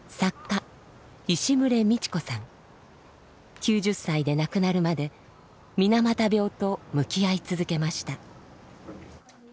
９０歳で亡くなるまで水俣病と向き合い続けました。